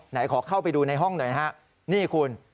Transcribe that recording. ไหนขอเข้าไปดูในห้องหน่อยฮะนี่คุณ